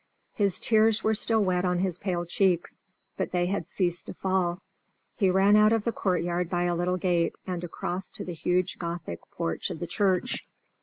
His tears were still wet on his pale cheeks, but they had ceased to fall. He ran out of the court yard by a little gate, and across to the huge Gothic porch of the church.